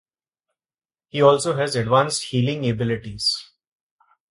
He also has advanced healing abilities.